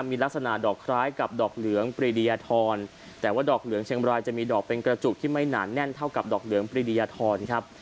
มีลักษณะดอกคล้ายกับดอกเหลืองปรีดียทรแต่ว่าดอกเหลืองเชียงบรายจะมีดอกเป็นกระจุกที่ไม่หนาแน่นเท่ากับดอกเหลืองปรีดียทรครับ